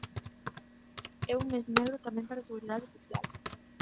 É un mes negro tamén para a Seguridade Social.